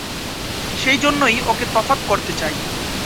সেইজন্যেই ওকে তফাত করতে চাই।